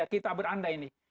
kita beranda ini